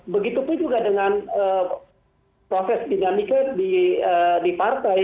begitupun juga dengan proses dinamika di partai